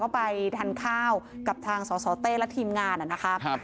ไปทานข้าวกับทางสสเต้และทีมงานนะครับ